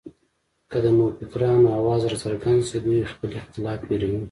که د نوفکرانو اواز راڅرګند شي، دوی خپل اختلافات هېروي